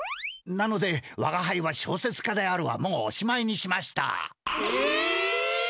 なので「わがはいは小説家である」はもうおしまいにしました！え！？